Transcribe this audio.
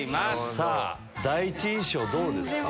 さぁ第一印象どうですか？